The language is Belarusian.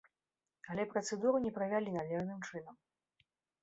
Але працэдуру не правялі належным чынам.